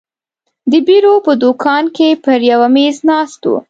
د بیرو په دوکان کې پر یوه مېز ناست وو.